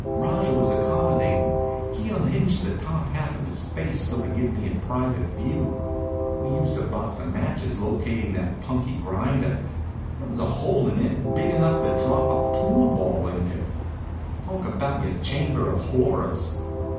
Rajah was accommodatin'. He unhinged the top half of his face to give me a private view. We used a box of matches locating that punky grinder. There was a hole in it big enough to drop a pool ball into. Talk about your chamber of horrors!